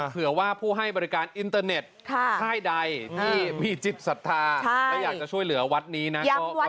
เผื่อว่าผู้ให้บริการอินเตอร์เน็ตค่ายใดที่มีจิตศรัทธาและอยากจะช่วยเหลือวัดนี้นะ